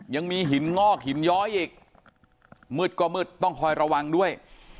ยังมีหินงอกหินย้อยอีกมืดก็มืดต้องคอยระวังด้วย